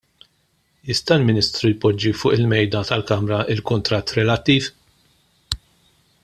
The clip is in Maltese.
Jista' l-Ministru jpoġġi fuq il-Mejda tal-Kamra l-kuntratt relattiv?